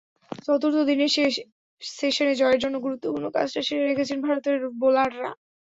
চতুর্থ দিনের শেষ সেশনে জয়ের জন্য গুরুত্বপূর্ণ কাজটা সেরে রেখেছেন ভারতের বোলাররা।